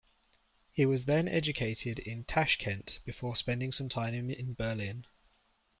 He was then educated in Tashkent before spending some time in Berlin.